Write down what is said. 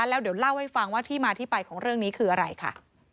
แล้วเดี๋ยวเล่าให้ฟังว่าที่มาที่ไปของเรื่องนี้คืออะไรค่ะ